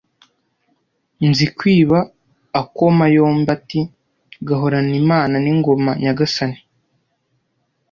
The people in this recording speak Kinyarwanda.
Nzikwiba akoma yombi ati: "Gahorane Imana n' ingoma Nyagasani"